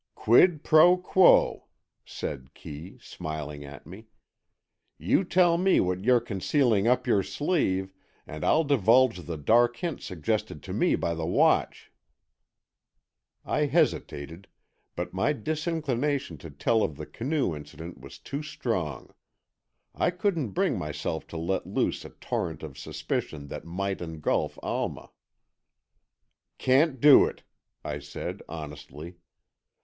"Quid pro quo," said Kee, smiling at me. "You tell me what you're concealing up your sleeve and I'll divulge the dark hint suggested to me by the watch." I hesitated, but my disinclination to tell of the canoe incident was too strong. I couldn't bring myself to let loose a torrent of suspicion that might engulf Alma. "Can't do it," I said, honestly.